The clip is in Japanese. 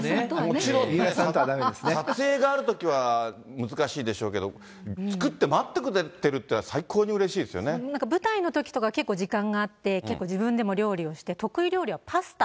もちろん撮影があるときは難しいでしょうけど、作って待ってくれてるって、舞台のときとか、結構、時間があって結構、自分でも料理をして、得意料理はパスタ。